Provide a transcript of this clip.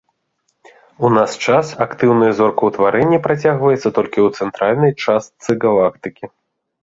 У наш час актыўнае зоркаўтварэнне працягваецца толькі ў цэнтральнай частцы галактыкі.